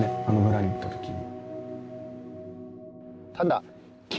あの村に行った時。